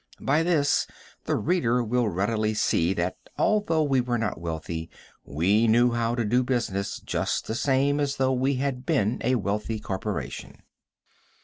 By this, the reader will readily see that, although we were not wealthy, we knew how to do business just the same as though we had been a wealthy corporation.